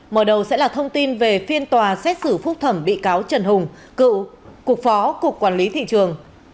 mở đầu sẽ là thông tin về phiên tòa xét xử phúc thẩm bị cáo trần hùng cựu cục phó cục quản lý thị trường